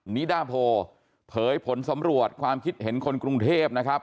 นิดาโพเผยผลสำรวจความคิดเห็นคนกรุงเทพนะครับ